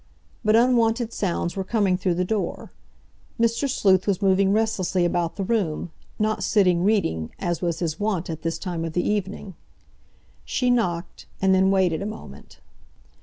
But unwonted sounds were coming through the door. Mr. Sleuth was moving restlessly about the room, not sitting reading, as was his wont at this time of the evening. She knocked, and then waited a moment.